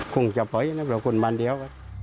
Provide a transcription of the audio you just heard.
คงจะไปแต่ว่าคนบ้านเดียว